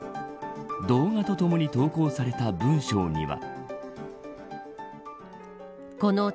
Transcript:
動画とともに投稿された文章には。